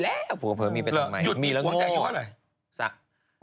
ปื้องแม่ผัวมีไปตอนใหม่มีละง่วงนั้น